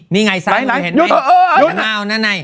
นี้ไงส้ายเราหรือยังเห็นไหม